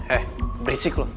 eh berisik lo